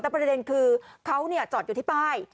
แต่ประเด็นคือเขาจอดอยู่ที่ป้าย